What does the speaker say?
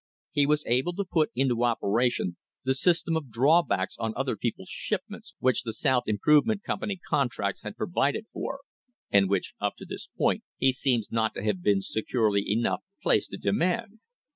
He was able to put into operation the system of drawbacks on other people's shipments which the South Improvement Company contracts had provided for, and which up to this point he seems not to have been securely enough placed to demand.